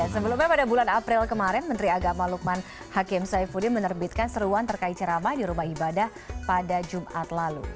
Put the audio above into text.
sebelumnya pada bulan april kemarin menteri agama lukman hakim saifuddin menerbitkan seruan terkait ceramah di rumah ibadah pada jumat lalu